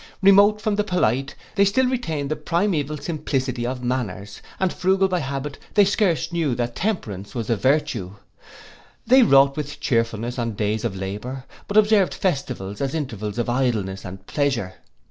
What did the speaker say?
Remote from the polite, they still retained the primaeval simplicity of manners, and frugal by habit, they scarce knew that temperance was a virtue. They wrought with cheerfulness on days of labour; but observed festivals as intervals of idleness and pleasure.